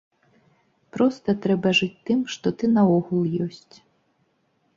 Проста трэба жыць тым, хто ты наогул ёсць.